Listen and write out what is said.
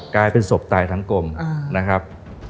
กลายเป็นศพตายทั้งกลมนะครับ